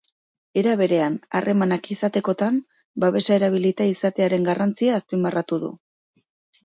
Era berean, harremanak izatekotan, babesa erabilita izatearen garrantzia azpimarratu du.